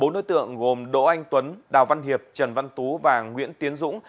bốn đối tượng gồm đỗ anh tuấn đào văn hiệp trần văn tú và nguyễn tiến dũng